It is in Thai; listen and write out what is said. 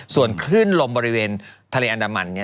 ส่วนคลื่นลมบริเวณทะเลอันดามัน